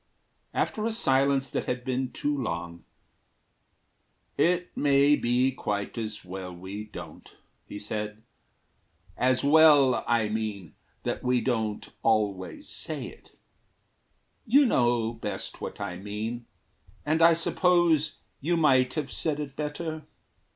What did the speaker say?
After a silence that had been too long, "It may be quite as well we don't," he said; "As well, I mean, that we don't always say it. You know best what I mean, and I suppose You might have said it better.